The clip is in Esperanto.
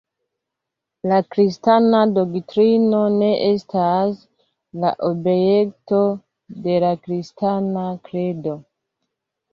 La kristana doktrino ne estas la objekto de la kristana kredo.